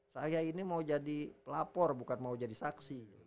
saya ini mau jadi pelapor bukan mau jadi saksi